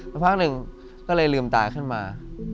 แล้วพักนึงก็เลยลืมตาขึ้นมา